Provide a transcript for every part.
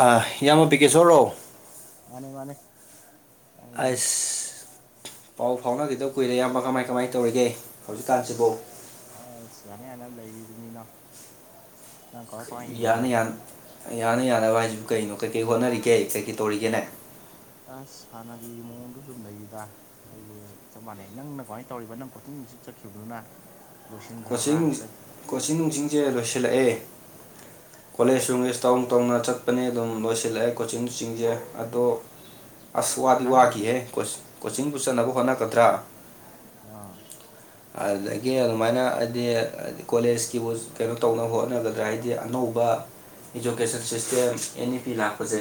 ꯑꯥꯏ ꯏꯌꯥꯝꯕ ꯄꯤꯀꯦꯁꯣꯔꯔꯣ ꯃꯥꯅꯦ ꯃꯥꯅꯦ ꯌꯥꯝꯅꯦ ꯑꯁ ꯄꯥꯎ ꯐꯥꯎꯅꯈꯤꯗꯕ ꯀꯨꯏꯔꯦ ꯑꯌꯥꯝꯕ ꯀꯃꯥꯏ ꯀꯃꯥꯏ ꯇꯧꯔꯤꯒꯦ ꯍꯧꯖꯤꯛꯀꯥꯟꯁꯤꯕꯨ ꯑ ꯑꯁ ꯌꯥꯅ ꯌꯥꯅ ꯂꯩꯔꯤꯗꯨꯅꯤꯅꯣ ꯌꯥꯅ ꯌꯥ ꯌꯥꯅ ꯌꯥꯅꯕ ꯍꯥꯏꯁꯤꯕꯨ ꯀꯩꯅꯣ ꯀꯩꯀꯩ ꯍꯣꯠꯅꯔꯤꯒꯦ ꯀꯩꯀꯩ ꯇꯧꯔꯤꯒꯦꯅꯦ ꯑꯁ ꯍꯥꯟꯅꯒꯤ ꯃꯑꯣꯡꯗꯨ ꯑꯗꯨꯝ ꯂꯩꯔꯤꯗ ꯑꯩꯖꯨ ꯆꯞ ꯃꯥꯟꯅꯩ ꯅꯪꯅ ꯀꯃꯥꯏꯅ ꯇꯧꯔꯤꯕ ꯅꯪ ꯀꯣꯆꯤꯡ ꯅꯨꯡꯆꯤꯡ ꯆꯠꯈꯤꯕꯗꯨꯅ ꯀꯣꯆꯤꯡ ꯂꯣꯏꯁꯤꯟꯈ꯭ꯔꯕ꯭ꯔꯥ ꯅꯨꯡ ꯀꯩ ꯀꯣꯆꯤꯡ ꯅꯨꯡꯆꯤꯡꯁꯦ ꯂꯣꯏꯁꯤꯜꯂꯛꯑꯦ ꯀꯣꯂꯦꯖ ꯅꯨꯡꯂꯦꯖ ꯇꯧ ꯇꯧꯅ ꯆꯠꯄꯅꯦ ꯑꯗꯨꯝ ꯂꯣꯏꯁꯤꯜꯂꯛꯑꯦ ꯀꯣꯆꯤꯡ ꯅꯨꯡꯆꯤꯡꯖꯦ ꯑꯗꯣ ꯑꯁ ꯋꯥꯗꯤ ꯑꯦꯛꯖꯥꯝ ꯋꯥꯈꯤꯍꯦ ꯀꯣ ꯀꯣꯆꯤꯡꯕꯨ ꯆꯠꯅꯕ ꯍꯣꯠꯅꯒꯗ꯭ꯔꯥ ꯑꯥ ꯑꯗꯨꯗꯒꯤ ꯑꯗꯨꯃꯥꯏꯅ ꯍꯥꯏꯗꯤꯗꯤ ꯀꯣꯂꯦꯖꯀꯤꯕꯨ ꯀꯩꯅꯣ ꯇꯧꯅꯕ ꯍꯣꯠꯅꯒꯗ꯭ꯔꯥ ꯍꯥꯏꯗꯤ ꯑꯅꯧꯕ education system N E P ꯂꯥꯛꯄꯖꯦ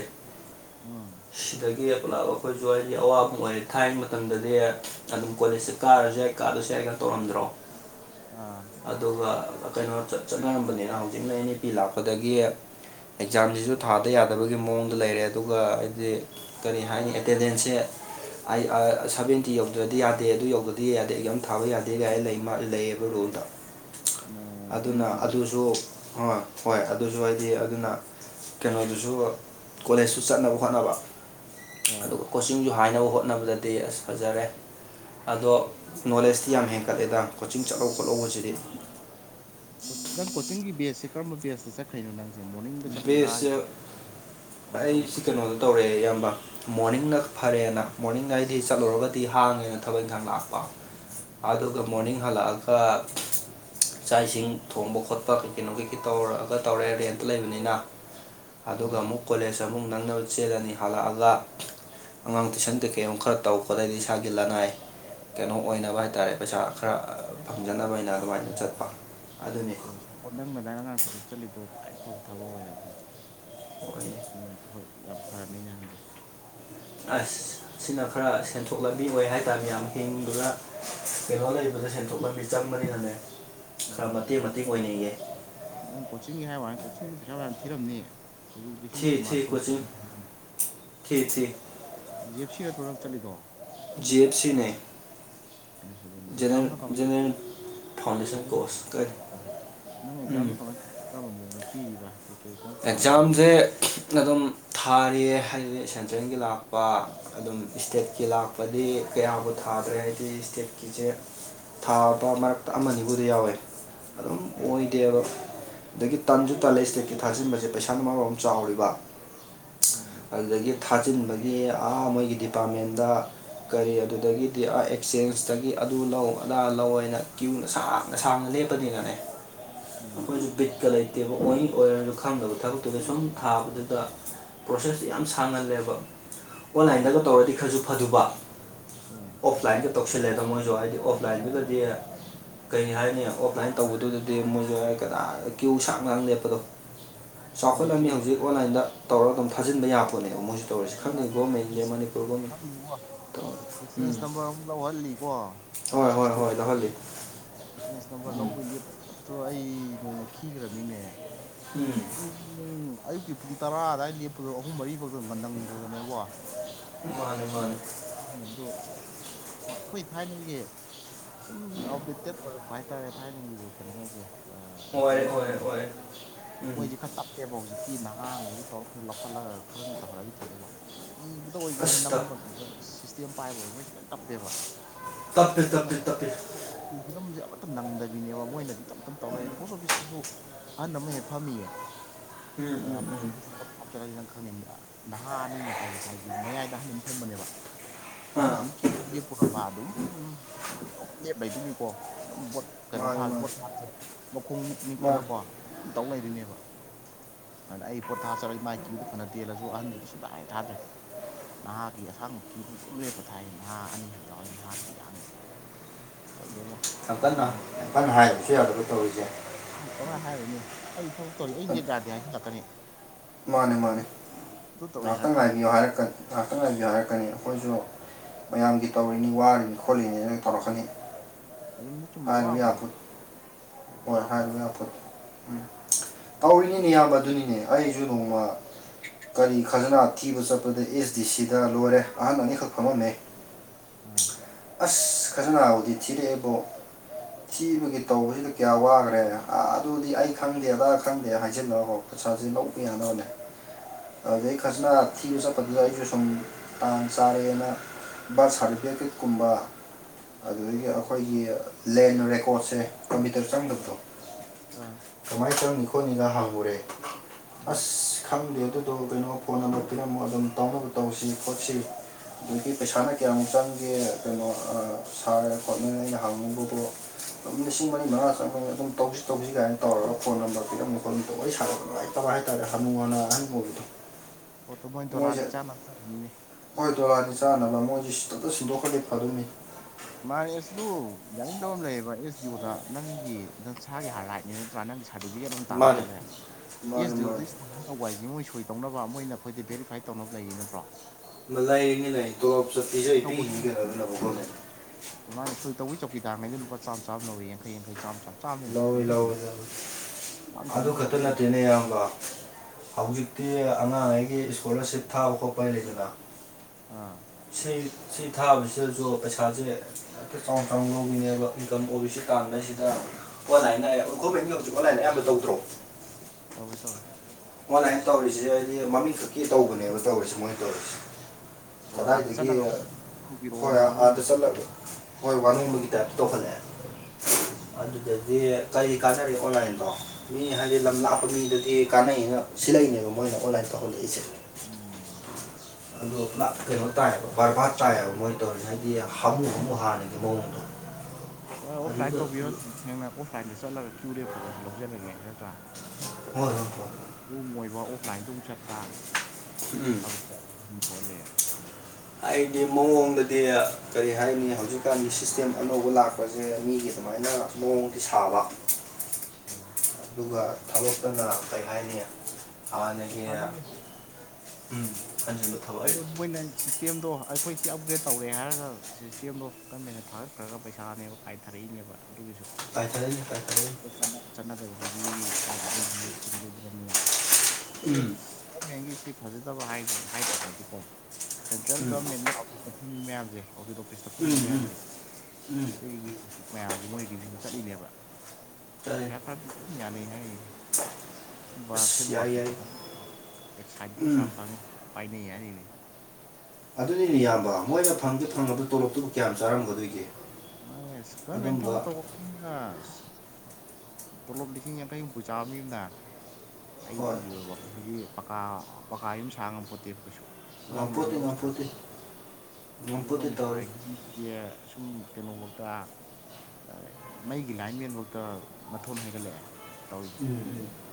ꯑꯣ ꯁꯤꯗꯒꯤ ꯄꯨꯂꯞ ꯑꯩꯈꯣꯏꯁꯨ ꯑꯩꯗꯤ ꯑꯋꯥꯕ ꯑꯣꯏꯔꯦ ꯊꯥꯏꯩ ꯃꯇꯝꯗꯗꯤ ꯑꯗꯨꯝ ꯀꯣꯂꯦꯖꯁꯦ ꯀꯥꯔꯁꯦ ꯀꯀꯥꯗ ꯁꯦꯔꯒ ꯇꯧꯔꯝꯗ꯭ꯔꯣ ꯑꯥ ꯑꯗꯨꯒ ꯀꯩꯅꯣ ꯆꯠꯅꯔꯝꯕꯅꯤꯅ ꯍꯧꯖꯤꯛꯅ ꯑꯦ ꯅꯨꯄꯤ ꯂꯥꯛꯄꯗꯒꯤ ꯑꯦꯛꯖꯥꯝꯁꯤꯁꯨ ꯊꯥꯗ ꯌꯥꯗꯕꯒꯤ ꯃꯑꯣꯡꯗ ꯂꯩꯔꯦ ꯑꯗꯨꯒ ꯍꯥꯏꯗꯤ ꯀꯔꯤ ꯍꯥꯏꯅꯤ ꯑꯦꯇꯦꯟꯗꯦꯟꯁꯁꯦ ꯑꯩ ꯁꯕꯦꯟꯇꯤ ꯌꯧꯗ꯭ꯔꯗꯤ ꯌꯥꯗꯦ ꯑꯗꯨ ꯌꯧꯗꯗꯤ ꯌꯥꯗꯦ ꯑꯩ ꯌꯥꯝ ꯊꯥꯕ ꯌꯥꯗꯦ ꯑꯩꯒꯥꯏ ꯂꯩ ꯂꯩꯌꯦꯕ ꯔꯣꯜꯗ ꯑꯣ ꯑꯦꯟ ꯏ ꯑꯗꯨꯅ ꯄꯤꯁꯦ ꯑꯗꯨꯁꯨ ꯑ ꯍꯣꯏ ꯑꯗꯨꯁꯨ ꯍꯥꯏꯗꯤ ꯑꯗꯨꯅ ꯀꯩꯅꯣꯗꯨꯁꯨ ꯀꯣꯂꯦꯖꯇꯨ ꯆꯠꯅꯕ ꯍꯣꯠꯅꯕ ꯑꯥ ꯑꯗꯨꯒ ꯀꯣꯆꯤꯡꯁꯨ ꯍꯥꯏꯅꯕ ꯍꯣꯠꯅꯕꯗꯗꯤ ꯑꯁ ꯐꯖꯔꯦ ꯑꯗꯣ ꯅꯣꯂꯦꯖꯇꯤ ꯌꯥꯝ ꯍꯦꯟ ꯍꯥꯏꯒꯠꯂꯦꯗ ꯀꯣꯆꯤꯡ ꯆꯠꯍꯧ ꯈꯣꯠꯍꯧꯕꯁꯤꯗꯤ ꯅ ꯀꯣꯆꯤꯡꯒꯤ ꯕꯤ ꯑꯦꯁꯦ ꯀꯔꯝꯕ ꯕꯤꯁ ꯆꯠ ꯀꯩꯅꯣ ꯅꯪꯖꯦ ꯃꯣꯔꯅꯤꯡꯗ ꯆꯠꯂꯤꯔꯥ ꯕꯦꯁꯁꯦ ꯀꯃꯥꯏꯟ ꯇꯧꯕ ꯀꯣꯆꯤ ꯍꯣꯏꯦ ꯏꯌꯥꯝꯕ ꯃꯣꯔꯅꯤꯡꯅ ꯐꯔꯦꯅ ꯃꯣꯔꯅꯤꯡ ꯍꯥꯏꯗꯤ ꯆꯠꯂꯨꯔꯒꯗꯤ ꯍꯥꯡꯉꯦꯅ ꯊꯕꯛ ꯏꯪꯈꯥꯡ ꯂꯥꯛꯄ ꯑꯗꯨꯒ ꯃꯣꯔꯅꯤꯡ ꯍꯜꯂꯛꯑꯒ ꯆꯥꯛ ꯏꯁꯤꯡ ꯊꯣꯡꯕ ꯈꯣꯠꯄ ꯀꯩ ꯀꯩꯅꯣ ꯀꯩꯀꯩ ꯇꯧꯔꯛꯑꯒ ꯇꯧꯔꯑꯦ ꯔꯦꯟꯇ ꯂꯩꯕꯅꯤꯅ ꯑꯥ ꯑꯗꯨꯒ ꯑꯃꯨꯛ ꯀꯣꯂꯦꯖ ꯑꯃꯨꯛ ꯅꯪꯅꯕ ꯆꯦꯜꯂꯅꯤ ꯍꯜꯂꯛꯑꯒ ꯑꯉꯥꯡ ꯇꯨꯏꯁꯟ ꯀꯩꯀꯩꯣꯛ ꯈꯔ ꯇꯧ ꯈꯣꯠꯂꯛꯗꯤ ꯏꯁꯥꯒꯤ ꯂꯅꯥꯏ ꯀꯩꯅꯣ ꯑꯣꯏꯅꯕ ꯍꯥꯏ ꯇꯥꯔꯦ ꯄꯩꯁꯥ ꯈꯔ ꯐꯪꯖꯅꯕ ꯑꯣꯏꯅ ꯑꯗꯨꯃꯥꯏꯅ ꯆꯠꯄ ꯑꯗꯨꯅꯤ ꯍꯣꯏ ꯁ ꯅꯪ ꯗꯥꯏꯅ ꯑꯉꯥꯡ ꯇꯨꯏꯁꯟ ꯆꯠꯂꯤꯗꯣ ꯈ꯭ꯏꯐꯕꯑꯣ ꯊꯕꯛ ꯑꯣꯏꯔꯕꯅꯤ ꯍ ꯑꯁ ꯅꯪ ꯍꯣꯏ ꯌꯥꯝ ꯐꯔꯝꯃꯤꯅꯦ ꯅꯪꯗꯤ ꯑꯁ ꯁꯤꯅ ꯈꯔ ꯁꯦꯟꯊꯣꯛ ꯂꯝꯕꯤ ꯑꯣꯏ ꯍꯥꯏꯇꯥꯔꯦ ꯃ ꯌꯥꯝ ꯍꯤꯡꯗꯨꯅ ꯀꯩꯅꯣ ꯂꯩꯕꯗ ꯁꯦꯟꯊꯣꯛ ꯂꯝ ꯃꯤ ꯆꯪꯕꯅꯤꯅꯅꯦ ꯈꯔ ꯃꯥꯅꯤ ꯃꯥꯅꯤ ꯃꯇꯦꯡ ꯅꯪ ꯃꯇꯦꯡ ꯑꯣꯏꯅꯩꯌꯦ ꯅꯪ ꯀꯣꯆꯤꯡꯒꯤ ꯍꯥꯏ ꯋꯥꯅꯤ ꯀꯣꯆꯤꯡꯒꯤ ꯄꯩꯁꯥ ꯃꯌꯥꯝ ꯊꯤꯔꯝꯅꯤ ꯍꯧꯖꯤꯛ ꯂꯤꯁꯤꯡ ꯊꯤꯊꯤ ꯀꯨꯟꯃꯥꯊꯣꯏ ꯀꯣꯆꯤꯡ ꯊꯤ ꯊꯤ ꯖꯦꯞ ꯁꯤ ꯅꯠꯇ꯭ꯔꯣ ꯅꯪ ꯆꯠꯂꯤꯗꯣ ꯖꯤ ꯑꯦꯐ ꯁꯤꯅꯦ ꯑꯁ ꯑꯗꯨꯅꯤ ꯑꯦꯖꯥꯝ ꯅ ꯀꯃ ꯐꯥꯎꯟꯗꯦꯁꯟ ꯀꯣꯔꯁ ꯀꯔꯤ ꯅꯪ ꯑꯦꯛꯖꯥꯝꯗ ꯎꯝ ꯀꯃꯥꯏ ꯀꯔꯝꯕ ꯃꯑꯣꯡꯗ ꯄꯤꯔꯤꯕ ꯀꯩ ꯑꯦꯛꯖꯥꯝ ꯊꯥꯔꯤꯕ ꯕꯦꯡ ꯑꯦꯛꯖꯥꯝꯁꯦ ꯑꯗꯨꯝ ꯊꯥꯔꯤꯌꯦ ꯍꯥꯏꯕꯗꯤ ꯁꯦꯟꯇ꯭ꯔꯦꯜꯒꯤ ꯂꯥꯛꯄ ꯑꯗꯨꯝ ꯏꯁꯇꯦꯠꯀꯤ ꯂꯥꯛꯄꯗꯤ ꯀꯌꯥꯕꯨ ꯊꯥꯗ꯭ꯔꯦ ꯍꯥꯏꯗꯤ ꯏꯁꯇꯦꯠꯀꯤꯁꯦ ꯊꯥꯕ ꯃꯔꯛꯇ ꯑꯃꯅꯤꯕꯨꯗꯤ ꯌꯥꯎꯋꯦ ꯑꯗꯨꯝ ꯑꯥ ꯑꯣꯏꯗꯦꯕ ꯑꯗꯒꯤ ꯇꯟꯁꯨ ꯇꯜꯂꯦ ꯏꯁꯇꯦꯠꯀꯤ ꯊꯥꯖꯤꯟꯕꯁꯦ ꯄꯩꯁꯥ ꯅꯨꯡꯃꯕ ꯑꯃ ꯆꯥꯎꯔꯤꯕ ꯑꯣ ꯑꯗꯨꯗꯒꯤ ꯊꯥꯖꯤꯟꯕꯒꯤ ꯑꯥ ꯃꯣꯏꯒꯤ ꯗꯤꯄꯥꯔꯠꯃꯦꯟꯗ ꯀꯔꯤ ꯑꯗꯨꯗꯒꯤꯗꯤ ꯑ ꯑꯦꯛꯆꯦꯟꯖꯇꯒꯤ ꯑꯗꯨ ꯂꯧ ꯑꯗꯥ ꯂꯧ ꯑꯅ ꯀ꯭ꯌꯨꯅ ꯁꯥꯡ ꯑꯁꯥꯡꯅ ꯂꯦꯞꯄꯅꯤꯅꯅꯦ ꯎꯝ ꯑꯩꯈꯣꯏꯁꯨ ꯕꯤꯠꯀ ꯂꯩꯇꯦꯕ ꯑꯣꯏ ꯑꯣꯏꯔꯁꯨ ꯈꯪꯗꯕ ꯊꯕꯛꯇꯨꯗ ꯁꯨꯝ ꯊꯥꯕꯗꯨꯗ ꯄ꯭ꯔꯣꯁꯦꯁ ꯌꯥꯝ ꯁꯥꯡꯍꯜꯂꯦꯕ ꯑꯣꯟꯂꯥꯏꯟꯗꯒ ꯎꯝ ꯇꯧꯔꯗꯤ ꯈꯔꯁꯨ ꯐꯗꯨꯕ ꯍꯣꯏ ꯑꯣꯐꯂꯥꯏꯟꯒ ꯇꯧꯁꯤꯜꯂꯦꯗꯣ ꯃꯣꯏꯖꯨ ꯍꯥꯏꯗꯤ ꯑꯣꯐꯂꯥꯏꯟꯗꯨꯗꯗꯤ ꯀꯩ ꯍꯥꯏꯅꯤ ꯑꯣꯐꯂꯥꯏꯟ ꯇꯧꯕꯗꯨꯗꯗꯤ ꯃꯣꯏꯁꯨ ꯀꯗꯥ ꯀ꯭ꯌꯨ ꯁꯥꯡꯒꯥꯡ ꯂꯦꯞꯄꯗꯣ ꯍꯣꯏ ꯆꯥꯎꯈꯠꯂꯝꯃꯤ ꯑꯦꯛꯆꯦꯟꯖ ꯍꯧꯖꯤꯛ ꯑꯣꯟꯂꯥꯏꯟꯗ ꯇꯧꯔ ꯑꯗꯨꯝ ꯊꯥꯖꯤꯟꯕ ꯌꯥꯥꯕꯄꯣꯠꯅꯤ ꯃꯣꯏꯁꯨ ꯇꯧꯔꯤꯁꯤꯦ ꯈꯪꯉꯤ ꯒꯣꯔꯃꯦꯟꯁꯦ ꯃꯅꯤꯄꯨꯔ ꯒꯣꯔꯃꯦꯟ ꯇꯧꯔꯦ ꯎꯝ ꯑꯦꯛꯆꯦꯟꯁ ꯅꯝꯕꯔ ꯑꯃꯨ ꯂꯧꯍꯜꯂꯤꯀꯣ ꯍꯣꯏ ꯇꯧꯔꯤꯁꯤ ꯍꯣꯏ ꯏꯁꯇꯤꯜ ꯍꯣꯏ ꯂꯧꯍꯜꯂꯤ ꯐ꯭ꯔꯦꯟꯁ ꯅꯝꯕꯔ ꯎꯝ ꯂꯧꯕꯩ ꯂꯦꯞꯇꯣ ꯑꯩ ꯅꯣꯡꯃ ꯈꯤꯈ꯭ꯔꯃꯤꯅꯦ ꯎꯝ ꯄꯨꯡ ꯑꯌꯨꯛꯀꯤ ꯄꯨꯡ ꯇꯔꯥ ꯑꯗꯨꯋꯥꯏꯗ ꯂꯦꯞꯄꯗꯣ ꯑꯍꯨꯝ ꯃꯔꯤꯐꯥꯎꯗ ꯅꯪꯗꯗꯅꯦꯕꯣ ꯃꯥꯅꯦ ꯃꯥꯅꯦ ꯗꯣ ꯑꯩꯈꯣꯏ ꯊꯥꯏꯅꯒꯤ ꯁꯨꯝ ꯑꯞꯗꯦꯇꯦꯠ ꯑꯣꯏꯔꯛꯄ ꯍꯥꯏꯇꯥꯔꯦ ꯊꯥꯏꯂꯦꯟꯒꯤ ꯀꯩꯅꯣꯉꯩꯁꯦ ꯑꯣꯏꯔꯦ ꯑꯣꯏꯔꯦ ꯑꯦꯝꯄ꯭ꯂꯣꯌꯤꯉꯩꯒꯤ ꯑꯣꯏꯔꯦ ꯎꯝ ꯃꯣꯏꯁꯤꯦ ꯈꯔ ꯇꯞꯄꯦꯕ ꯍꯧꯖꯤꯛꯀꯤ ꯅꯍꯥꯟꯈꯩꯁꯤ ꯇꯧꯔ ꯈꯔ ꯂꯧꯈꯠꯂꯒ ꯈꯔ ꯇꯧꯍꯜꯂꯑꯗꯤ ꯐꯗꯧꯕ ꯏꯕꯗ ꯑꯣꯏꯒꯦꯅ ꯑꯁ ꯇꯞ ꯅꯝꯕ ꯁꯤꯁꯇꯦꯝ ꯄꯥꯏꯕ ꯑꯣꯏꯕ ꯃꯣꯏꯁꯨꯦ ꯂꯣꯏꯅ ꯇꯞꯄꯦꯕ ꯇꯞꯦ ꯑꯗꯨꯅ ꯇꯞꯄꯤ ꯇꯄꯤꯦ ꯊꯕꯛꯀꯤ ꯍꯤꯔꯝꯁꯦ ꯑꯃꯠꯇ ꯅꯪꯗꯕꯤꯅꯦꯕ ꯃꯣꯏꯅꯗꯤ ꯇꯞ ꯇꯞ ꯇꯧꯔꯛꯏꯅꯤ ꯄꯣꯁ ꯑꯣꯐꯤꯁꯇꯁꯨ ꯑꯍꯟ ꯑꯃ ꯍꯦꯛꯇ ꯐꯝꯃꯤꯌꯦꯣ ꯎꯝ ꯎꯝ ꯎꯝ ꯍꯥꯞꯆꯔꯒꯦ ꯅꯪ ꯈꯪꯅꯤꯡꯕ ꯅꯍꯥ ꯑꯅꯤ ꯃꯇꯥꯏ ꯃꯇꯥꯏꯒꯤ ꯃꯌꯥꯏꯗ ꯍꯟ ꯑꯃ ꯊꯕꯅꯦꯕ ꯑꯥ ꯑꯍꯟꯗꯔꯤ ꯀ꯭ꯌꯨꯞ ꯂꯦꯞꯄꯨꯔꯕ ꯑꯗꯨꯝ ꯑꯗꯨꯝ ꯂꯦꯞꯂꯩꯗꯣꯏꯅꯤꯀꯣ ꯑꯗꯨꯝ ꯚꯣꯠ ꯀꯩꯅꯣ ꯃꯥꯅꯦ ꯊꯥꯥꯁꯦ ꯃꯥꯅꯦ ꯄꯣꯠ ꯊꯥꯁꯦ ꯃꯈꯣꯡ ꯅꯤꯛ ꯃꯥꯅꯦ ꯅꯤꯛꯇꯅꯀꯣ ꯑꯝꯇꯧ ꯂꯩꯔꯤꯅꯦꯕ ꯑꯗꯨꯅ ꯑꯩ ꯄꯣꯠ ꯊꯥꯖꯔꯒꯗꯤ ꯃꯥꯏ ꯀꯤꯕꯤꯗꯨ ꯐꯅ ꯇꯦꯜꯂꯁꯨ ꯑꯍꯟꯗꯨꯗꯁꯨ ꯁꯨꯡꯗꯥꯏꯦ ꯊꯥꯗ꯭ꯔꯦ ꯅꯍꯥꯒꯤ ꯑꯁꯥꯡꯕ ꯀ꯭ꯌꯨꯗꯨꯗ ꯑꯗꯨꯝ ꯂꯦꯞꯄ ꯊꯥꯏ ꯅꯍꯥ ꯑꯅꯤꯁꯨꯛ ꯌꯥꯎꯏ ꯅꯍꯥꯗꯨꯗꯤ ꯌꯥꯡꯏꯤ ꯀꯪꯗꯦꯕꯣ ꯌꯥꯝ ꯀꯟꯅ ꯌꯥꯝ ꯀꯟꯅ ꯍꯥꯏꯔꯕꯁꯨ ꯌꯥꯗꯕ ꯇꯧꯔꯤꯁꯦ ꯀꯃꯥꯏꯅ ꯍꯥꯏꯔꯨꯅꯦ ꯑꯩ ꯊꯕꯛ ꯇꯧꯔꯤ ꯑꯩꯩꯅ ꯌꯥꯗꯦ ꯍꯥꯏꯁꯤꯜꯂꯛꯀꯅꯤ ꯃꯥꯅꯦ ꯃꯥꯅꯦ ꯉꯥꯏꯍꯥꯛꯇꯪ ꯍꯥꯏꯔꯛꯀꯅꯤ ꯉꯥꯏꯕꯤꯌꯣ ꯍꯥꯏꯔꯛꯀꯅꯤ ꯉꯥꯏꯍꯥꯛꯇꯪ ꯉꯥꯏꯕꯤꯌꯨ ꯍꯥꯏꯔꯛꯀꯅꯤ ꯑꯩꯈꯣꯏꯁꯨ ꯃꯌꯥꯝꯒꯤ ꯇꯧꯔꯤꯅꯤ ꯋꯥꯔꯤꯅꯤ ꯈꯣꯠꯂꯤꯅꯤ ꯑꯗꯨꯅ ꯇꯧꯔꯛꯀꯅꯤ ꯝ ꯆꯨꯝꯃ ꯋꯥ ꯍꯥꯏꯔꯨꯕ ꯍꯥꯕꯗꯣ ꯌꯥꯄꯣꯠ ꯍꯣꯏ ꯍꯥꯏꯔꯤꯕ ꯑꯐꯠꯇ ꯎꯝ ꯇꯧꯔꯤꯅꯤꯅꯦ ꯏꯌꯥꯝꯕ ꯑꯗꯨꯅꯤꯅꯦ ꯑꯩꯁꯨ ꯅꯣꯡꯃ ꯀꯔꯤ ꯈꯖꯅꯥ ꯊꯤꯕ ꯆꯠꯄꯗ ꯑꯦꯁ ꯗꯤ ꯁꯤꯗ ꯂꯣꯏꯔꯦ ꯑꯍꯟ ꯑꯅꯤꯈꯛ ꯐꯝꯃꯝꯃꯦ [unintelligible] ꯑꯥ ꯑꯁ ꯈꯖꯅ ꯍꯕꯗꯤ ꯊꯤꯔꯛꯑꯦꯕꯣ ꯊꯤꯕꯒꯤ ꯇꯧꯕꯁꯤꯅ ꯀꯌꯥ ꯋꯥꯈ꯭ꯔꯦ ꯑꯥ ꯑꯗꯨꯗꯤ ꯑꯩ ꯈꯪꯗꯦ ꯑꯗꯥ ꯈꯪꯗꯦ ꯍꯥꯏꯖꯤꯜꯂꯀꯣ ꯄꯩꯁꯥꯁꯦ ꯂꯧꯕ ꯌꯥꯅꯕꯅꯦ ꯑꯕ ꯈꯁꯅꯥ ꯊꯤꯕꯪꯆꯠꯄꯗꯨꯗ ꯁꯨꯝ ꯇꯥꯟ ꯆꯔꯦꯅ ꯕꯥꯔꯊ ꯁꯥꯔꯇꯤꯐꯤꯀꯦꯠꯀꯨꯝꯕ ꯑꯗꯨꯗꯒꯤ ꯑꯩꯈꯣꯏꯒꯤ ꯂꯦꯟ ꯔꯦꯀꯣꯔꯠꯁꯦ ꯀꯝꯄ꯭ꯌꯨꯇꯔ ꯆꯪꯗꯕꯗꯣ ꯑꯥ ꯀꯃꯥꯏꯅ ꯆꯪꯅꯤ ꯈꯣꯠꯅꯤꯒ ꯍꯪꯉꯨꯔꯦ ꯑꯁ ꯈꯪꯗꯦ ꯑꯗꯨꯗꯣ ꯀꯩꯅꯣ ꯐꯣꯟ ꯅꯝꯕꯔ ꯄꯤꯔꯝꯃꯣ ꯑꯗꯨꯝ ꯇꯧꯅꯕ ꯇꯧꯁꯤ ꯈꯣꯠꯁꯤ ꯑꯗꯒꯤ ꯄꯩꯁꯥꯅ ꯀꯌꯥꯃꯨꯛ ꯆꯪꯒꯦ ꯀꯩꯅꯣ ꯑ ꯁꯥꯔꯦ ꯈꯣꯠꯂꯦꯅ ꯑꯩꯅ ꯍꯪꯉꯨꯕꯕꯨ ꯃꯤꯁꯤꯡ ꯃꯅꯤ ꯃꯔꯅꯥ ꯆꯪꯪ ꯑꯗꯨꯝ ꯇꯧꯁꯤ ꯇꯧꯁꯤ ꯀꯥꯏꯅ ꯇꯧꯔꯒ ꯐꯣꯟ ꯅꯝꯕꯔ ꯄꯤꯔꯝꯝꯕ ꯈꯣꯠ ꯇꯧ ꯋꯥꯔꯤ ꯁꯥꯒꯠꯄꯅꯨꯡꯥꯏ ꯇꯕ ꯍꯥꯏ ꯍꯅꯨ ꯍꯅ ꯍꯥꯏꯕꯨ ꯑꯣꯏꯗ ꯄꯣꯠꯇꯨ ꯃꯣꯏ ꯗꯣꯂꯥꯂꯤ ꯆꯥꯟꯅꯕ ꯇꯧꯅꯤꯅꯦ ꯍꯣꯏ ꯗꯣꯂꯥꯗꯤ ꯆꯥꯅꯕ ꯃꯣꯏꯁꯤ ꯁꯤꯗꯇ ꯁꯤꯟꯗꯣꯛꯈꯜꯂꯤ ꯐꯗꯣꯏꯅꯤ ꯃꯥꯅꯦ ꯑꯦꯁꯗꯨ ꯒꯥꯔꯤꯡ ꯇꯧꯔ ꯑꯃ ꯂꯩꯌꯦꯕ ꯑꯦꯁ ꯗꯤ ꯑꯣꯗ ꯅꯪꯒꯤ ꯅꯪꯁꯥꯒꯤ ꯍꯥꯔ ꯔꯥꯏꯠ ꯅꯠꯇ꯭ꯔꯥ ꯅꯪꯒꯤ ꯁꯥꯔꯇꯤꯐꯤꯀꯦꯠ ꯑꯃ ꯇꯥꯟꯕ ꯃꯥꯅꯦ ꯆꯠꯂꯦ ꯑꯦꯁ ꯃꯥꯅꯤ ꯗꯤ ꯃꯥꯅꯤ ꯑꯣ ꯑꯧꯕ ꯍꯥꯏꯁꯤꯦ ꯃꯣꯏ ꯁꯣꯏꯗꯧꯅꯕ ꯃꯣꯏꯅ ꯑꯩꯈꯣꯏꯗ ꯕꯦꯔꯤꯐꯥꯏ ꯇꯧꯅꯕ ꯂꯩꯔꯤ ꯅꯠꯇ꯭ꯔꯣ ꯂꯩꯥꯏꯌꯦꯡꯅꯤ ꯂ ꯇꯣꯞ ꯆꯠꯄꯤꯁꯨ ꯑꯩ ꯄꯤ ꯍꯤꯡꯒꯗꯅꯕ ꯈꯣꯠꯦ ꯃꯥꯒꯤ ꯁꯣꯏ ꯇꯧꯕꯩ ꯆꯧꯀꯤꯗꯥꯔꯉꯩꯗꯣ ꯂꯨꯄꯥ ꯆꯥꯝ ꯆꯥꯝ ꯂꯧꯋꯦ ꯌꯥꯡꯈꯩ ꯌꯥꯡꯈꯩ ꯆꯥꯝ ꯂꯏ ꯂꯥꯎꯏ ꯂꯥꯛꯏ ꯆꯥꯝꯃ ꯑꯗꯨ ꯆꯅꯤꯒ ꯈꯛꯇ ꯂꯧꯁꯤꯜꯂꯤ ꯅꯠꯇꯦꯅꯦ ꯑꯌꯥꯝꯕ ꯍꯧꯖꯤꯛꯇꯤ ꯑꯉꯥꯡꯉꯩꯒꯤ ꯏꯁꯀꯣꯂꯥꯔꯁꯤꯞ ꯊꯥꯕ ꯈꯣꯠꯄ ꯂꯩꯗ ꯑꯥ ꯁꯤ ꯁꯤ ꯊꯥꯕꯁꯤꯗꯁꯨ ꯄꯩꯁꯥꯁꯦ ꯍꯦꯛꯇ ꯆꯥꯎꯅ ꯆꯥꯎꯅ ꯂꯧꯕꯤꯅꯦꯕ ꯏꯟꯀꯝ ꯑꯣ ꯕꯤ ꯁꯤ ꯇꯥꯟꯕꯁꯤꯗ ꯑꯣꯟꯂꯥꯏꯟꯌꯥꯝ ꯒꯣꯔꯃꯦꯟꯒꯤ ꯍꯧꯖꯤꯛ ꯑꯣꯟꯂꯥꯏꯟ ꯑꯌꯥꯝꯕ ꯇꯧꯗ꯭ꯔꯣ ꯇꯧꯋꯦ ꯇꯧꯋꯦ ꯑꯣꯟꯂꯥꯏꯟ ꯇꯧꯔꯤꯖꯤꯖꯨ ꯍꯥꯏꯗꯤ ꯃꯃꯤꯡꯈꯛꯀꯤ ꯇꯧꯕꯅꯦꯕ ꯇꯧꯔꯤꯁꯦ ꯃꯣꯏꯅ ꯇꯧꯔꯤꯁꯦ ꯑꯣ ꯑꯥꯗ ꯀꯗꯥꯏꯗꯒꯤ ꯆꯠꯂꯒ ꯑꯃꯨꯛ ꯍꯣꯏ ꯇꯧꯕꯤꯔꯛꯑꯣꯅ ꯑꯥꯗ ꯋꯥꯅꯣꯝꯗꯅꯤ ꯆꯠꯂꯒꯦ ꯍꯣꯏ ꯋꯥꯅꫭꯝꯕꯒꯤ ꯇꯥꯏꯞꯇ ꯇꯧꯈꯜꯂꯛꯑꯦ ꯎꯝ ꯑꯗꯨꯗꯗꯤ ꯀꯔꯤ ꯀꯥꯟꯅꯔꯤ ꯑꯣꯟꯂꯥꯏꯟꯗꯣ ꯃꯤ ꯍꯥꯏꯗꯤ ꯂꯝ ꯂꯥꯛꯄ ꯃꯤꯗꯗꯤ ꯀꯥꯟꯅꯩ ꯑ ꯁꯤꯜꯂꯛꯏꯅꯦꯕ ꯃꯣꯏꯅ ꯑꯣꯟꯂꯥꯏꯟ ꯇꯧꯍꯜꯂꯛꯏꯁꯦ ꯎꯝ ꯑꯗꯣ [unintelligible] ꯀꯩꯅꯣ ꯇꯥꯏꯌꯦꯕ ꯕꯔꯕꯥꯔ ꯇꯥꯏꯌꯦꯕ ꯃꯣꯏ ꯇꯧꯔꯤ ꯍꯥꯏꯗꯤ ꯍꯥꯃꯨ ꯍꯥꯃꯨ ꯍꯥꯟꯅꯒꯤ ꯃꯑꯣꯡꯗꯣ [inaudible] ꯍꯣꯏ ꯑꯣꯐꯂꯥꯏꯟ ꯑꯗꯨꯗ ꯇꯧꯕꯤꯔꯣ ꯎꯝ, ꯁꯦꯡꯅ ꯑꯣꯐꯂꯥꯏꯗ ꯆꯠꯂꯒ ꯀꯤꯌꯨ ꯂꯦꯞꯄꯒ ꯑꫭꯏꯁꯨ ꯂꯧꯖꯔꯒꯦ ꯅꯠꯇ꯭ꯔꯥ ꯍꯣꯏ ꯍꯣꯏ ꯍꯣꯏ [unintelligible] ꯑꯣꯐꯂꯥꯏꯟꯁꯨ ꯑꯃꯨꯛ ꯆꯠꯄ ꯎꯝ [unintelligible] ꯐꯣꯂꯦ ꯑꯩꯒꯤ ꯃꯑꯣꯡꯗꯗꯤ ꯀꯔꯤ ꯍꯥꯏꯅꯤ ꯍꯧꯖꯤꯛꯀꯥꯟꯒꯤ ꯁꯤꯁꯇꯦꯝ ꯑꯅꯧꯕ ꯂꯥꯛꯄꯁꯦ ꯃꯤꯒꯤ ꯑꯗꯨꯃꯥꯏꯅ ꯃꯑꯣꯡꯗꯤ ꯁꯥꯕ ꯑꯥ ꯑꯗꯨꯒ ꯊꯕꯛꯇꯅ ꯀꯔꯤ ꯍꯥꯏꯅꯤ ꯍꯥꯟꯅꯒꯤ ꯄꯩꯁꯥꯗꯤ ꯎꯝ ꯑꯟꯖꯤꯟꯕ ꯑꯗꯨꯅꯤ ꯃꯣꯏ ꯅꯥꯟ ꯁꯤꯁ ꯁꯤꯁꯇꯦꯝꯗꯣ ꯑꯩꯈꯣꯏ ꯁꯤ ꯑꯞꯒ꯭ꯔꯦꯗ ꯇꯧꯔꯦ ꯍꯥꯏꯔꯒ ꯁꯤꯁꯇꯦꯝꯗꯣ ꯒꯃꯦꯟꯅ ꯊꯥꯒꯠꯈ꯭ꯔꯒ ꯄꯩꯁꯥꯅꯦꯕ ꯀꯥꯏꯊꯔꯛꯏꯅꯦꯕ ꯑꯗꯨꯒꯤꯁꯨ ꯀꯥꯏꯊꯔꯛꯏꯅꯦ ꯀꯥꯏꯊꯔꯛꯏꯅꯦ ꯆꯠꯅꯗꯕꯗꯨꯗꯤ ꯎꯝ [unintelligible] ꯒꯣꯃꯦꯟꯒꯤ ꯁꯤ ꯐꯖꯗꯕ ꯍꯥꯏ ꯍꯥꯏꯇꯥꯔꯗꯤꯀꯣ ꯁꯦꯟꯇ꯭ꯔꯦꯜ ꯎꯝ ꯒꯔꯃꯦꯟꯒꯤ ꯑꯣꯐꯤꯁꯇ ꯐꯝꯃꯤ ꯃꯌꯥꯝꯁꯦ ꯑꯣꯗꯤꯠ ꯑꯣꯐꯤꯁꯇ ꯐꯝꯃꯤ ꯎꯝ ꯎꯝ ꯃꯌꯥꯝꯁꯦ ꯎꯝ ꯁꯤꯒꯤ ꯃꯌꯥꯝꯁꯦ ꯃꯣꯏ ꯔꯤꯚꯤꯌꯨ ꯆꯠꯂꯤꯅꯦꯕ ꯇꯥꯏ ꯄꯩꯁꯥ ꯀꯥꯗ ꯌꯥꯅꯤꯍꯥꯏ [unintelligible] ꯐꯤꯜ ꯑꯁ ꯋꯥꯥꯛ ꯌꯥꯏ ꯇꯤ ꯌꯥꯏ [unintelligible] ꯑꯦꯛ ꯁꯥꯏꯠꯒꯁꯨ ꯎꯝ ꯌꯥꯝ ꯐꯪꯉꯦ ꯄꯥꯏꯅꯩ ꯍꯥꯏꯔꯤꯅꯦ ꯑꯗꯨꯅꯤꯅꯦ ꯑꯁꯤ ꯏꯌꯥꯝꯕ ꯃꯣꯏꯅ ꯐꯪꯗꯦ ꯐꯪꯉꯕ ꯇꯣꯂꯣꯞꯇꯨꯕꯨ ꯀꯌꯥꯝ ꯆꯥꯔꯝꯒꯗꯣꯏꯒꯦ ꯃꯥꯅꯦꯁ ꯒꫭꯚꯃꯦꯟ ꯑꯗꯨꯝꯕ ꯊꯕꯛ ꯇꯧꯕ [unintelligible] ꯇꯣꯂꯣꯞ ꯂꯤꯁꯤꯡ ꯌꯥꯡꯈꯩ ꯍꯨꯝꯐꯨ ꯆꯥꯕ ꯃꯤ ꯑꯃꯅ ꯍꯣꯏ ꯑꯩꯗꯤꯒꯤ [unintelligible] ꯋꯥꯐꯝꯗꯨꯗꯤ ꯄꯀꯥ ꯄꯀꯥ ꯌꯨꯝ ꯁꯥꯡꯉꯄꯣꯟꯇꯦꯕ ꯀꯩꯁꯨ ꯃꯥ ꯂꯣꯟ ꯉꯝꯐꯨꯠꯇꯤ ꯂꯧꯔ ꯁꯥ ꯉꯝꯐꯨꯠꯇꯤ [unintelligible] ꯉꯝꯐꯨꯠꯇꯤ ꯃꯣꯏꯅ ꯇꯧꯔꯤ ꯁꯥꯏꯗꯨꯗꯤ ꯌꯥ ꯁꯨꯝ ꯀꯩꯅꯣꯐꯧꯇ ꯃꯩꯒꯤ ꯂꯥꯏꯟ ꯃꯦꯟꯕꯧꯇ ꯃꯊꯣꯟ ꯍꯥꯏꯒꯠꯂꯛꯑꯦ ꯇꯧꯔꯤꯖꯦ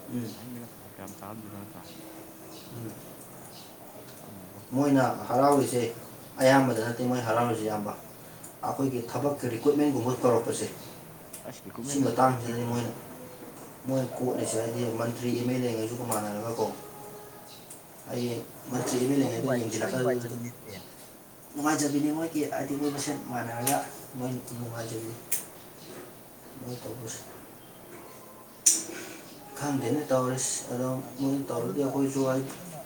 ꯎꯝ ꯂꯥꯏꯟ ꯃꯦꯟ ꯅꯕꯨ ꯀꯌꯥꯝ ꯆꯥꯔꯝꯗꯣꯏꯅꯣ ꯅꯠꯇ꯭ꯔꯥ ꯎꯝ ꯈꯪꯗꯦꯕꯣ ꯃꯣꯏꯅ ꯁꯤꯁꯇꯦꯝ ꯍꯔꯥꯎꯔꯤꯁꯦ ꯑꯌꯥꯝꯕꯗ ꯅꯠꯇꯦ ꯃꯣꯏ ꯍꯔꯥꯎꯔꯤꯖꯦ ꯏꯌꯥꯝꯕ ꯑꯩꯈꯣꯏꯒꯤ ꯊꯕꯛꯀꯤ ꯔꯤꯀ꯭ꯋꯨꯠꯃꯦꯟꯒꯨꯝꯕ ꯇꯧꯔꯛꯄꯁꯦ ꯑꯁ ꯁꯤ ꯔꯤꯀ꯭ꯔꯨꯠꯃꯦꯟꯗꯗꯤ ꯀꯣꯠ ꯄꯤꯕ ꯃꯇꯥꯡꯁꯤꯗꯅꯤ ꯃꯣꯏꯅ ꯃꯣꯏ ꯀꯣꯠꯅꯁꯨ ꯍꯥꯏꯗꯤ ꯃꯟꯇ꯭ꯔꯤ ꯑꯦꯝ ꯑꯦꯜ ꯑꯦ ꯉꯩꯁꯨꯒ ꯃꯥꯟꯅꯔꯒ ꯀꯣ ꯑꯩ ꯃꯣꯏ ꯃꯟꯇ꯭ꯔꯤ ꯑꯦꯝ ꯑꯦꯜ ꯑꯦ ꯃꯣꯏ ꯅꯒꯥ ꯅꯨꯡꯉꯥꯏ ꯃꯣꯏ ꯌꯦꯡꯁꯤꯜꯂꯛꯀ ꯑꯗꯨ ꯅꯨꯡꯉꯥꯏꯖꯕꯤꯅꯦ ꯅꯨꯡꯉꯥꯏꯖꯕꯤꯅꯤ ꯃꯣꯏꯒꯤ ꯍꯥꯏꯗꯤ ꯃꯣꯏ ꯃꯁꯦꯟ ꯃꯥꯟꯅꯔꯒ ꯃꯣꯏ ꯅꯨꯡꯉꯥꯏꯖꯕꯤꯅꯤ ꯃꫭꯏ ꯇꯧꯕꯁꯤ ꯈꯪꯗꯦꯅꯦ ꯇꯧꯔꯤꯁꯤ ꯑꯗꯣ ꯃꯣꯏꯅ ꯇꯧꯔꯗꯤ ꯑꯗꯨꯅ ꯑꯩꯈꯣꯏꯁꯨ ꯍꯥꯏꯗꯤ ꯑꯗꯨꯅ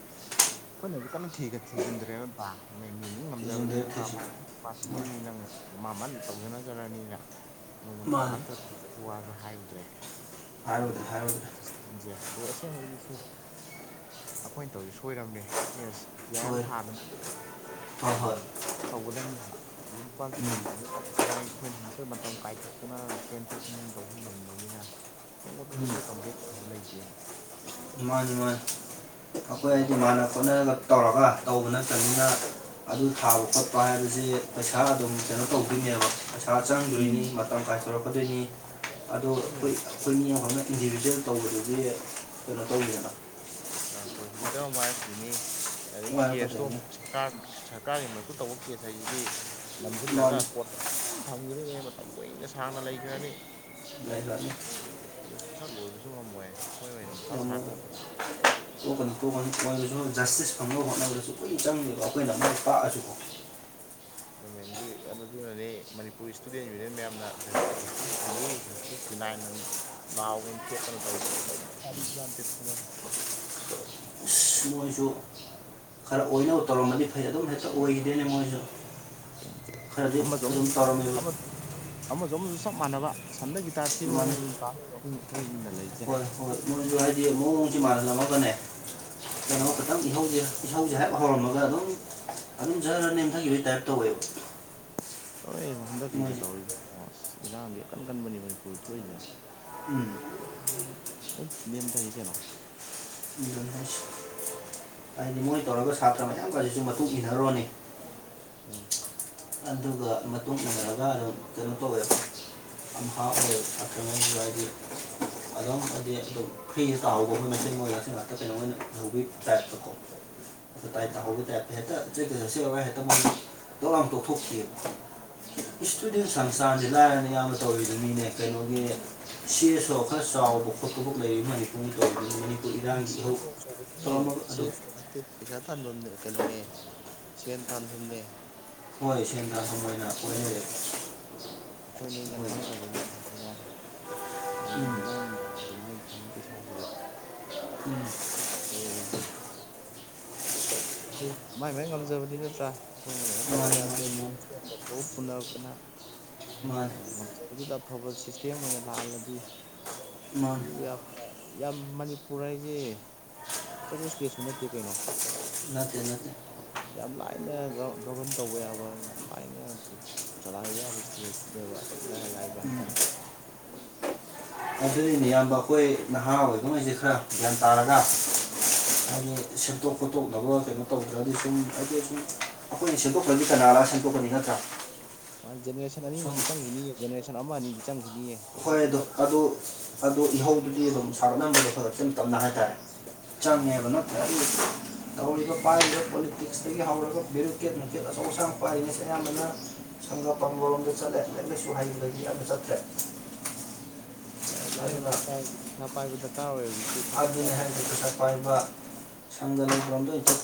ꯑꯩꯈꯣꯏꯅꯁꯨ ꯀꯟꯅ ꯊꯤ ꯊꯤꯖꯤꯟꯗ꯭ꯔꯦ ꯅꯠꯇ꯭ꯔꯥ ꯃꯤ ꯃꯤ ꯉꯝꯖꯕꯅꯤ ꯊꯤꯖꯤꯟꯗ꯭ꯔꯦ ꯅꯠꯇ꯭ꯔꯥ ꯃꯥ ꯊꯤꯖꯤꯟꯗ꯭ꯔꯦ ꯀꯦꯄꯥꯁꯤꯇꯤꯅꯤ ꯅꯪ ꯃꯥ ꯃꯥꯜ ꯇꯧꯖꯅꯖꯔꯅꯤꯅ ꯅꯣꯡꯃꯇ ꯃꯥꯅꯤ ꯀꯔꯥꯅꯥꯝꯇ ꯋꯥꯁꯨ ꯍꯥꯏꯔꯨꯗ꯭ꯔꯦ ꯑꯗꯨ ꯍꯥꯏꯔꯨꯗ꯭ꯔꯦ ꯍꯥꯏꯔꯨꯗ꯭ꯔꯦ [unintelligible] ꯑꯗꯣ ꯑꯦꯡ ꯍꯣꯏꯒꯤꯁꯨ ꯑꯩꯈꯣꯏꯅ ꯇꯧꯔꯤ ꯁꯣꯏꯔꯕꯝꯅꯦ ꯌꯦꯁ ꯌꯥꯔ ꯑꯦꯜ ꯁꯣꯏꯔꯦ ꯊꯥꯗꯅ ꯍꯣꯏ ꯍꯣꯏ ꯇꯧꯒꯗꯕꯅꯦꯕ ꯂꯨꯄꯥ ꯀꯩꯅꯣ ꯑꯩꯈꯣꯏꯅ ꯍꯛꯇ ꯃꯇꯝ ꯀꯥꯏꯊꯣꯛꯇꯅ ꯆꯦꯟꯊꯣꯛ ꯇꯧꯕ ꯉꯝꯗꯕꯅꯤꯅ ꯃꯉꯣꯟꯗꯁꯨ ꯑꯩꯈꯣꯏ ꯀꯝꯄꯦꯛ ꯇꯧꯕ ꯂꯩꯇꯦꯕ ꯏꯃꯥꯟ ꯏꯃꯥꯟ ꯑꯩꯈꯣꯏ ꯄꯤ ꯑꯥꯔ ꯍꯥꯏꯗꯤ ꯑꯦꯜꯒ ꯃꯥꯟꯅ ꯈꯣꯠꯅꯒ ꯇꯧꯔꯒ ꯇꯧꯕ ꯅꯠꯇꯕꯅꯤꯅ ꯑꯗꯨ ꯊꯥꯕ ꯈꯣꯠꯄ ꯍꯥꯏꯕꯁꯦ ꯄꯩꯁꯥ ꯑꯗꯨꯝ ꯀꯩꯅꯣ ꯇꯧꯗꯣꯏꯅꯦꯕ ꯄꯩꯁꯥ ꯎꯝ ꯆꯪꯗꯣꯏꯅꯤ ꯀꯔꯝ ꯀꯥꯏ ꯇꯧꯔꯛꯀꯗꯣꯏꯅꯤ ꯑꯗꯣ ꯑꯩꯈꯣꯏ ꯆꯪꯗꯣꯏꯅꯤ ꯑꯩꯈꯣꯏ ꯃꯤ ꯑꯃꯈꯅ ꯏꯟꯗꯤꯕꯤꯖꯨꯋꯦꯜ ꯇꯧꯕꯗꯗꯤ [unintelligible] ꯄ꯭ꯔꯣꯁꯤꯀ꯭ꯌꯨꯇꯔ ꯑꯃ ꯋꯥꯔꯛꯄꯅꯤ ꯑꯗꯒꯤ ꯀꯦꯁꯇꯣ ꯋꯥꯔꯛꯀꯗꯣꯏꯅꯤ ꯁꯔꯀꯥꯔ ꯁꯔꯀꯥꯔꯒꯤ ꯃꯔꯛꯇ ꯇꯧꯕ ꯀꯦꯁ ꯍꯥꯏꯁꯤꯗꯤ ꯅꯝꯁꯤꯜꯂꯒ ꯃꯥꯅꯤ ꯀꯣꯔꯠꯇ ꯊꯝꯈꯤꯔꯦ ꯃꯇꯝ ꯀꯨꯏꯅ ꯁꯥꯡꯅ ꯂꯩꯈ꯭ꯔꯅꯤ ꯌꯥꯏ ꯂꯅꯤ ꯄꯩꯁꯥ ꯂꯣꯏꯕꯁꯨ ꯉꯝꯃꯣꯏ ꯑꯣꯏꯅ ꯃꯊꯥ ꯁꯥ ꯇꯣꯛꯄꯗꯣ [unintelligible] ꯀꯣꯛꯀꯅꯨ ꯀꯣꯛꯀꯅꯤ ꯃꯣꯏꯅꯁꯨ ꯖꯁꯇꯤꯁ ꯐꯪꯅꯕ ꯍꯣꯠꯅꯕꯗꯁꯨ ꯀꯨꯏꯅ ꯆꯪꯗꯦꯕ ꯑꯩꯈꯣꯏꯅ ꯃꯥꯏ ꯄꯥꯛꯑꯁꯨꯀꯣ ꯒꯃꯦꯟꯒꯤ ꯑꯗꯨꯗꯨꯅꯅꯤ ꯃꯅꯤꯄꯨꯔ ꯏꯁꯇꯨꯗꯦꯟ ꯌꯨꯅꯤꯌꯟ ꯃꯌꯥꯝꯅ ꯖꯁꯇꯤꯁꯜꯂꯤꯖꯁꯇ ꯁꯤ ꯅꯥꯏꯟ ꯅ ꯂꯥꯎꯒꯅ ꯊꯦꯠꯇꯅ ꯇꯧꯔꯤꯗꯣꯏꯦ ꯑꯁ ꯃꯣꯏꯁꯨ ꯈꯔ ꯑꯣꯏꯅꯕ ꯇꯧꯔꯝꯃꯗꯤ ꯐꯩ ꯑꯗꯨꯝ ꯍꯦꯛꯇ ꯑꯣꯏꯈꯤꯗꯦꯅꯦ ꯃꯣꯏꯁꯨ ꯈꯔꯗꯤ ꯑꯃ ꯑꯗꯨꯝ ꯇꯧꯔꯝꯃꯦꯕ ꯑꯃꯁꯨ ꯑꯃꯁꯨ ꯆꯞ ꯃꯥꯟꯅꯕ ꯁꯟꯗ ꯒꯤꯇꯥ ꯊꯤꯕꯩ ꯃꯥꯅꯤ ꯃꯑꯣꯡꯗ ꯑꯗꯨꯝ ꯇ ꯑꯩꯈꯣꯏꯒꯤꯅ ꯂꯩꯔꯤ ꯍꯣꯏ ꯃꯣꯏꯁꯨ ꯍꯥꯏꯗꯤ ꯃꯑꯣꯡꯖꯦ ꯃꯥꯟꯍꯜꯂꯝꯃꯒꯅꯦ ꯑꯣ ꯀꯩꯅꯣ ꯈꯤꯇꯪ ꯏꯍꯧꯖꯦ ꯏꯁꯧꯁꯦ ꯍꯥꯏꯞ ꯍꯧꯔꯝꯃꯒ ꯑꯗꯨꯝ ꯑꯗꯨꯝ ꯖ ꯅꯦꯝꯊꯈꯤꯕꯒꯤ ꯇꯥꯏꯞ ꯇꯧꯋꯦꯕ ꯇꯧꯋꯦ ꯍꯟꯗꯛꯀꯤꯒ ꯃꯣꯏꯁꯦ ꯇꯧꯔꯤꯗ ꯑꯁ ꯏꯔꯥꯡꯗꯤ ꯑꯀꯟ ꯀꯟꯕꯅꯤ ꯃꯅꯤꯄꯨꯔꯗ ꯊꯣꯛꯏꯁꯦ ꯎꯝ ꯅꯦꯝ ꯊꯒꯤ ꯀꯩꯅꯣ ꯑꯗꯨꯅ ꯍꯥꯏ ꯍꯥꯏꯗꯤ ꯃꯣꯏ ꯇꯧꯔꯒ ꯁꯥꯇ꯭ꯔ ꯃꯌꯥꯝꯒꯁꯤꯁꯨ ꯃꯇꯨꯡ ꯏꯟꯅꯔꯨꯔꯅꯤ ꯑꯣ ꯑꯗꯨꯒ ꯃꯇꯨꯡ ꯏꯟꯅꯔꯒ ꯑꯗꯨꯝ ꯀꯩꯅꯣ ꯇꯧꯋꯦ ꯑꯝꯐ ꯑꯣꯏ ꯑꯀ꯭ꯔꯃꯤ ꯒꯤ ꯑꯗꯨꯝ ꯍꯥꯏꯗꯤ ꯑꯗꯨꯝ ꯐ꯭ꯔꯤꯗ ꯇꯥꯍꯧꯕ ꯑꯩꯈꯣꯏ ꯃꯆꯤꯟ ꯃꯣꯏꯖꯁꯤ ꯉꯥꯛꯇ ꯀꯩꯅꯣ ꯑꯣꯏꯅ ꯎꯍꯧꯕꯤ ꯇꯥꯏꯞꯄꯇꯀꯣ ꯥꯏ ꯇ ꯑꯣ ꯇꯥꯏꯞꯇ ꯍꯦꯛꯇꯀ ꯆꯁꯦꯂꯒ ꯍꯦꯛꯇ ꯇꯂ ꯇꯣꯛꯊꯣꯛꯈꯤꯑꯕ ꯏꯁꯇꯨꯗꯦꯟ ꯁꯪꯁꯊꯥꯟꯁꯤꯦ ꯂꯥꯏꯔꯅꯦ ꯌꯥꯝꯅ ꯇꯧꯔꯤꯗ ꯃꯤꯅꯦ ꯀꯩꯅꯣꯒꯤ ꯆꯦꯁꯨ ꯈꯔ ꯆꯥꯎꯕ ꯈꯣꯠꯇ ꯂꯩꯔꯤ ꯃꯅꯤꯄꯨꯔ ꯏꯔꯥꯡꯒꯤ ꯁꯤ ꯏꯍꯧ ꯁ ꯇꯧꯔꯝꯃꯒ ꯁꯤ ꯑꯗꯨꯝ ꯃꯇꯤꯛ ꯄꯩꯁꯥ ꯇꯥꯟꯐꯝꯅꯦ ꯀꯩꯅꯣꯅꯦ ꯁꯦꯟ ꯇꯥꯟꯐꯝꯅꯦ ꯍꯣꯏ ꯁꯦꯟ ꯇꯦ ꯍꯣꯏ ꯑꯩꯈꯣꯏ ꯅꯣꯏꯅ ꯃꯣꯏꯅ ꯈꯪꯗꯕꯒꯤ ꯎꯝ ꯋꯥꯅꯤꯦ ꯊ ꯀꯦꯁꯁꯤꯗ ꯎꯝ ꯑꯣ ꯑꯗꯨ ꯃꯥꯏ ꯃꯥꯏ ꯉꯝꯖꯕꯗꯤ ꯅꯠꯇ꯭ꯔꯥ ꯑꯩꯈꯣꯏꯅ ꯀꯩꯅꯣ ꯇꯧꯧꯕ ꯃꯥꯅꯤ ꯃꯥꯅꯤ ꯌꯥꯗ꯭ꯔꯦꯕ ꯃꯥꯅꯤ ꯐꯥꯎꯕ ꯄꯨꯅꯔꯛꯇꯅ ꯃꯥꯅꯤ ꯉꯝꯖꯩ ꯑꯗꯨꯗ ꯑꯐꯕ ꯁꯤꯁꯇꯦꯝ ꯑꯣꯏꯅ ꯂꯥꯛꯍꯜꯂꯗꯤ ꯃꯥꯅꯤ ꯌꯥꯝ ꯃꯅꯤꯄꯨꯔ ꯍꯥꯏꯁꯦ ꯑꯆꯧꯧꯕꯁ ꯀꯦꯁꯨ ꯅꯠꯇꯦ ꯀꯩꯅꯣ ꯅꯠꯇꯦ ꯅꯠꯇꯦ ꯌꯥꯝ ꯂꯥꯏꯅ ꯒꯕꯔꯟ ꯇꯧꯕ ꯌꯥꯕ ꯌꯥꯝ ꯂꯥꯏꯅ ꯆꯂꯥꯏꯕ ꯌꯥꯕ ꯏꯁꯇꯤ ꯂꯩꯕ ꯂꯥꯏ ꯂꯥꯛꯏꯕ ꯍꯥꯏꯇꯥꯔꯦ ꯑꯗꯨꯅꯤꯅꯤ ꯏꯕ ꯑꯩꯈꯣꯏ ꯅꯍꯥ ꯑꯣꯏꯕꯉꯩꯁꯤꯦ ꯈꯔ ꯒ꯭ꯌꯥꯟ ꯇꯥꯔꯒ ꯍꯥꯏꯗꯤ ꯁꯦꯝꯠꯇꯣꯛ ꯈꯣꯠꯇꯣꯛꯅꯕ ꯀꯩꯅꯣ ꯇꯧꯗ꯭ꯔꯗꯤ ꯁꯨꯝ ꯍꯥꯏꯗꯤ ꯁꯨꯝ ꯑꯈꯣꯏꯅ ꯁꯦꯝꯗꯣꯛꯇ꯭ꯔꯗꯤ ꯀꯅꯥ ꯂꯥꯛꯑ ꯁꯦꯝꯗꯣꯛꯀꯅꯤ ꯅꯠꯇ꯭ꯔꯥ ꯃꯥ ꯖꯦꯅꯔꯦꯁꯟ ꯁꯨꯝ ꯑꯅꯤꯃꯨꯛꯇꯤ ꯆ‌ꯪꯒꯤꯅꯤꯌꯦ ꯖꯦꯅꯔꯦꯁꯟ ꯑꯃ ꯑꯅꯤꯗꯤ ꯆꯪꯒꯤꯅꯤꯌꯦ ꯍꯣꯏ ꯑꯗꯨ ꯑꯗꯨ ꯑꯗꯨ ꯏꯍꯧꯗꯨꯗꯤ ꯑꯗꯨꯝ ꯁꯥꯒꯠꯅꯕꯗꯣ ꯈꯛꯇꯪ ꯇꯞꯅ ꯍꯥꯏꯇꯥꯔꯦ ꯑꯥ ꯆꯪꯉꯦꯕ [unintelligible] ꯇꯧꯔꯤꯕ ꯄꯥꯏꯔꯤꯕ ꯄꯣꯂꯤꯇꯤꯛꯁꯇꯒꯤ ꯍꯧꯔꯒ ꯕꯦꯔꯣꯀꯦꯠ ꯃꯆꯦꯠ ꯑꯆꯧ ꯑꯁꯥꯡ ꯄꯥꯏꯔꯤꯁꯦ ꯑꯌꯥꯝꯕꯅ ꯁꯪꯒ ꯄꯪꯒꯔꯣꯝꯗ ꯆꯠꯂꯦ ꯂꯥꯏꯛ ꯂꯥꯏꯁꯨ ꯍꯩꯕꯗꯗꯤ ꯑꯝꯇ ꯆꯠꯇ꯭ꯔꯦ ꯂꯥꯏꯔꯤ ꯍꯩꯕ ꯑꯗꯨꯅ ꯗꯔꯀꯥꯔ ꯑꯣꯏꯗ‌ꯦ ꯄꯩꯁꯥꯄꯏꯕ ꯗꯔꯀꯥꯔ ꯑꯣꯏꯌꯦ ꯍꯧꯖꯤꯛꯇꯤ ꯊꯥ ꯑꯗꯨꯅꯤ ꯁꯔꯀꯥꯔ ꯊꯕꯛ ꯍꯥꯏꯖꯦ ꯄꯩꯁꯥ ꯄꯥꯏꯕ ꯁꯪꯒ ꯂꯩꯕꯔꯣꯝꯗ ꯑꯣꯏꯅ ꯆꯠꯄ